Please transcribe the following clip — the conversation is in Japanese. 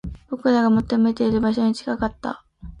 僕らが求めている場所に近かった